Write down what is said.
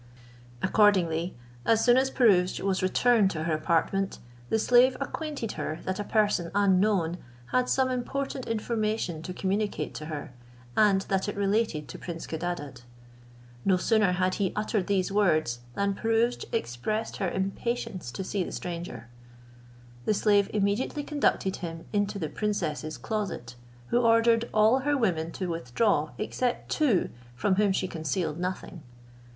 Accordingly, as soon as Pirouzč was returned to her apartment, the slave acquainted her that a person unknown had some important information to communicate to her, and that it related to prince Codadad. No sooner had he uttered these words, than Pirouzč expressed her impatience to see the stranger. The slave immediately conducted him into the princess's closet, who ordered all her women to withdraw, except two, from whom she concealed nothing.